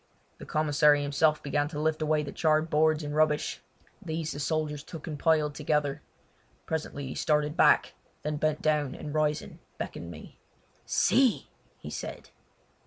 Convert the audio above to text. The commissary himself began to lift away the charred boards and rubbish. These the soldiers took and piled together. Presently he started back, then bent down and rising beckoned me. "See!" he said.